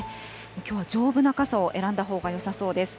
きょうは丈夫な傘を選んだほうがよさそうです。